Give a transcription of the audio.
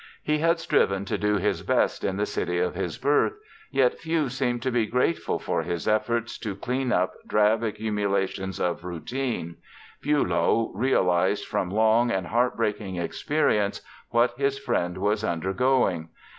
He had striven to do his best in the city of his birth yet few seemed to be grateful for his efforts to clean up drab accumulations of routine. Bülow realized from long and heart breaking experience what his friend was undergoing.